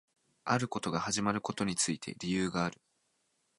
あることが始まることについて理由がある